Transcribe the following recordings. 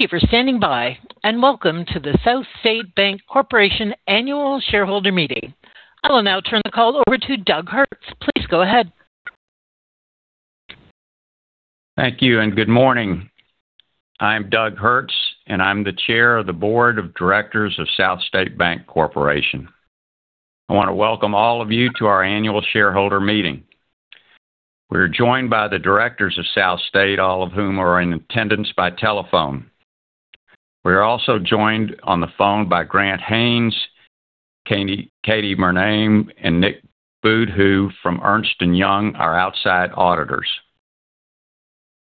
Thank you for standing by, and welcome to the SouthState Bank Corporation annual shareholder meeting. I will now turn the call over to Doug Hertz. Please go ahead. Thank you and good morning. I'm Doug Hertz, and I'm the Chair of the Board of Directors of SouthState Bank Corporation. I want to welcome all of you to our annual shareholder meeting. We are joined by the Directors of SouthState, all of whom are in attendance by telephone. We are also joined on the phone by Grant Haines, Katie Murnane, and Nick Budhu from Ernst & Young, our outside auditors.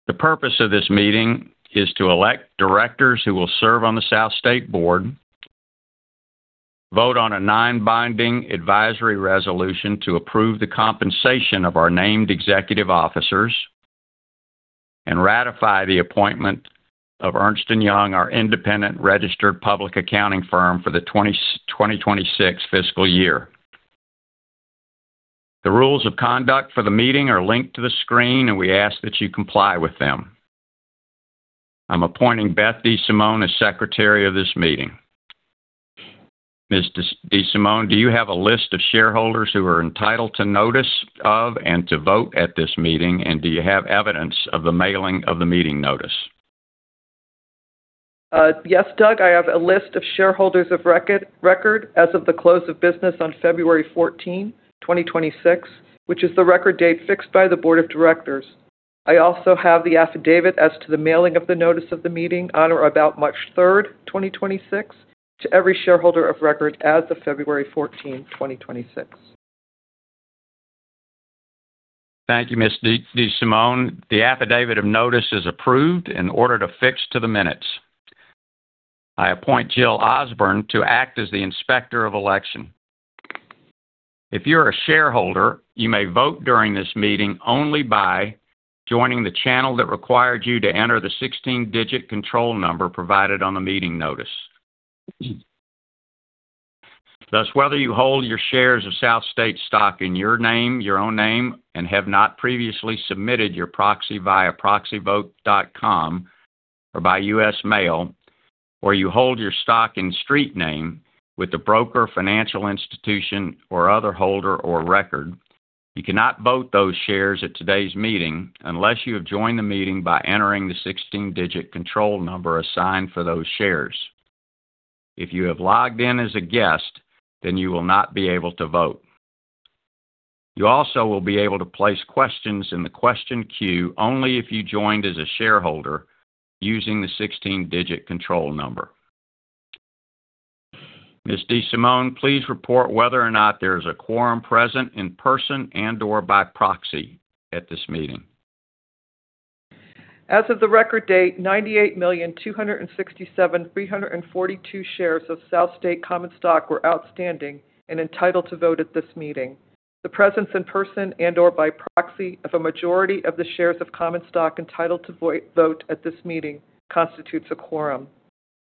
The purpose of this meeting is to elect directors who will serve on the SouthState Board, vote on a non-binding advisory resolution to approve the compensation of our Named Executive Officers, and ratify the appointment of Ernst & Young, our independent registered public accounting firm for the 2026 fiscal year. The rules of conduct for the meeting are linked to the screen, and we ask that you comply with them. I'm appointing Beth DeSimone as Secretary of this meeting. Ms. DeSimone, do you have a list of shareholders who are entitled to notice of and to vote at this meeting? Do you have evidence of the mailing of the meeting notice? Yes, Doug. I have a list of shareholders of record as of the close of business on February 14, 2026, which is the record date fixed by the Board of Directors. I also have the affidavit as to the mailing of the notice of the meeting on or about March 3rd, 2026, to every shareholder of record as of February 14, 2026. Thank you, Ms. DeSimone. The affidavit of notice is approved and ordered affixed to the minutes. I appoint Jill Osborne to act as the Inspector of election. If you're a shareholder, you may vote during this meeting only by joining the channel that required you to enter the 16-digit control number provided on the meeting notice. Whether you hold your shares of SouthState stock in your own name and have not previously submitted your proxy via proxyvote.com or by U.S. Mail, or you hold your stock in street name with a broker, financial institution, or other holder of record, you cannot vote those shares at today's meeting unless you have joined the meeting by entering the 16-digit control number assigned for those shares. If you have logged in as a guest, then you will not be able to vote. You also will be able to place questions in the question queue only if you joined as a shareholder using the 16-digit control number. Ms. DeSimone, please report whether or not there is a quorum present in person and/or by proxy at this meeting. As of the record date, 98,267,342 shares of SouthState common stock were outstanding and entitled to vote at this meeting. The presence in person and/or by proxy of a majority of the shares of common stock entitled to vote at this meeting constitutes a quorum.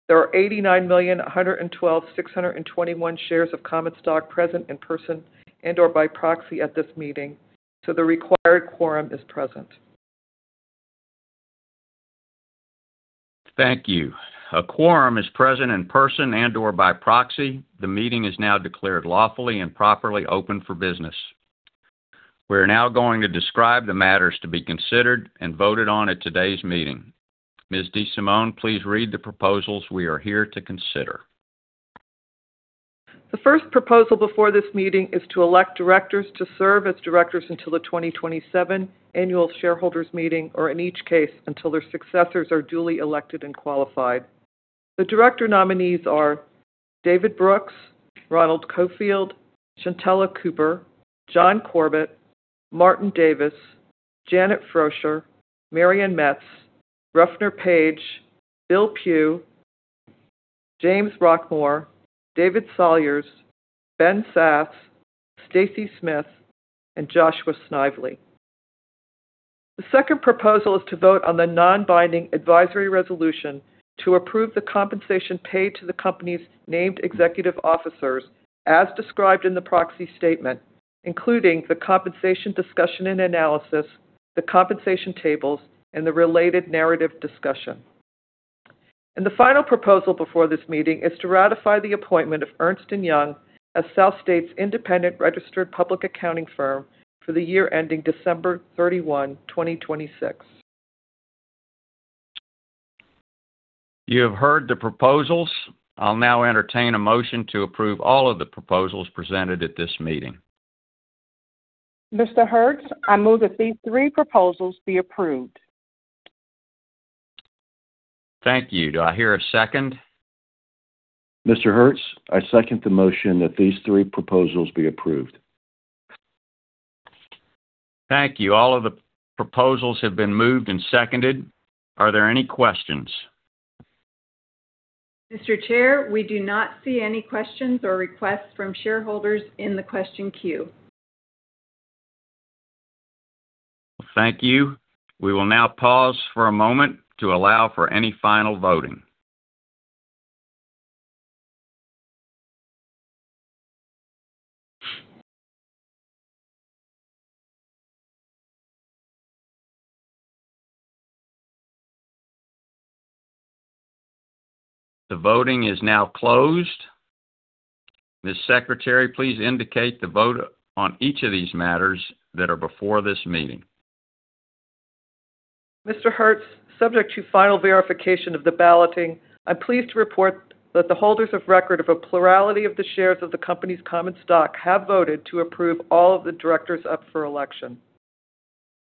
There are 89,112,621 shares of common stock present in person and/or by proxy at this meeting. The required quorum is present. Thank you. A quorum is present in person and/or by proxy. The meeting is now declared lawfully and properly open for business. We're now going to describe the matters to be considered and voted on at today's meeting. Ms. DeSimone, please read the proposals we are here to consider. The first proposal before this meeting is to elect directors to serve as directors until the 2027 Annual Shareholders Meeting, or in each case, until their successors are duly elected and qualified. The director nominees are David Brooks, Ronald Cofield, Shantella Cooper, John Corbett, Martin Davis, Janet Froetscher, Merriann Metz, Ruffner Page, Bill Pou, James Roquemore, David Salyers, Ben Sasse, Stacy Smith, and Joshua Snively. The second proposal is to vote on the non-binding advisory resolution to approve the compensation paid to the Company's Named Executive Officers as described in the Proxy Statement, including the Compensation Discussion and Analysis, the compensation tables, and the related narrative discussion. The final proposal before this meeting is to ratify the appointment of Ernst & Young as SouthState's independent registered public accounting firm for the year ending December 31, 2026. You have heard the proposals. I'll now entertain a motion to approve all of the proposals presented at this meeting. Mr. Hertz, I move that these three proposals be approved. Thank you. Do I hear a second? Mr. Hertz, I second the motion that these three proposals be approved. Thank you. All of the proposals have been moved and seconded. Are there any questions? Mr. Chair, we do not see any questions or requests from shareholders in the question queue. Thank you. We will now pause for a moment to allow for any final voting. The voting is now closed. Ms. Secretary, please indicate the vote on each of these matters that are before this meeting. Mr. Hertz, subject to final verification of the balloting, I'm pleased to report that the holders of record of a plurality of the shares of the company's common stock have voted to approve all of the directors up for election.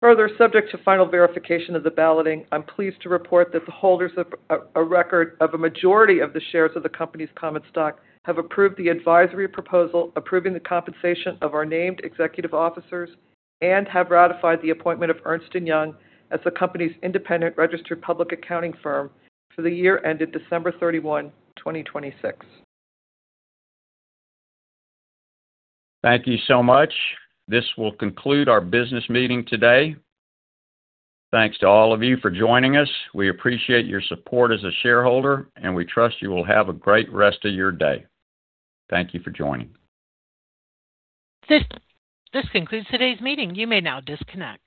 Further, subject to final verification of the balloting, I'm pleased to report that the holders of a record of a majority of the shares of the company's common stock have approved the advisory proposal approving the compensation of our Named Executive Officers and have ratified the appointment of Ernst & Young as the company's independent registered public accounting firm for the year ended December 31, 2026. Thank you so much. This will conclude our business meeting today. Thanks to all of you for joining us. We appreciate your support as a shareholder, and we trust you will have a great rest of your day. Thank you for joining. This concludes today's meeting. You may now disconnect.